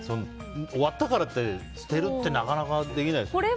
終わったからって捨てるってなかなかできないですよね。